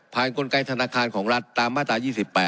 กลไกธนาคารของรัฐตามมาตรา๒๘